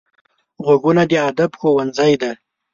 غوږونه د ادب ښوونځی دي